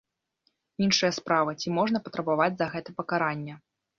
Іншая справа, ці можна патрабаваць за гэта пакарання?